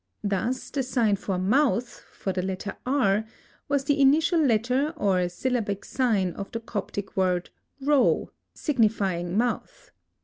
Thus, the sign for "mouth" for the letter R, was the initial letter or syllabic sign of the Coptic word Ro, signifying mouth.